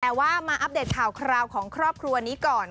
แต่ว่ามาอัปเดตข่าวคราวของครอบครัวนี้ก่อน